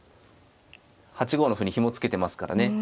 ８五の歩にひも付けてますからね。